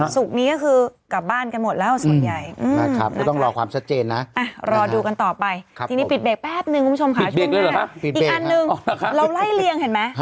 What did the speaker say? ศุกร์นี้ก็คือกลับบ้านกันหมดแล้วส่วนใหญ่